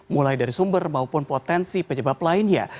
mulai dari sumber maupun potensi penyebab lainnya